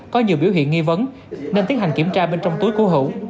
có nhiều biểu hiện nghi vấn nên tiến hành kiểm tra bên trong túi của hữu